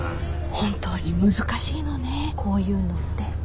本当に難しいのねこういうのって。